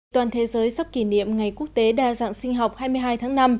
toàn thế giới sắp kỷ niệm ngày quốc tế đa dạng sinh học hai mươi hai tháng năm